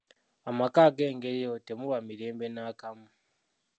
Amaka ag'engeri eyo temuba mirembe nakamu.